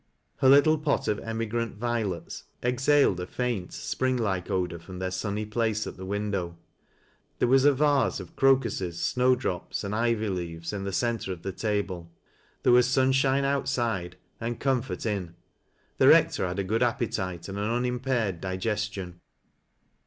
Her little pot of emigrant violets exhaled a faint, spring like odor from their sunny place ni the window ; there was a vase of crocuses, snow drops and ivy leaves in the center of the table ; there was sun shine outside and comfort in. The Eector had a good appetite and an unimpaired digestion.